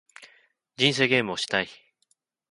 人生ゲームをしたい